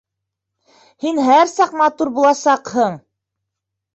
Һин һәр саҡ матур буласаҡһың!